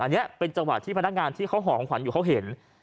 อันนี้เป็นจังหวะที่พนักงานที่เขาห่อของขวัญอยู่เขาเห็น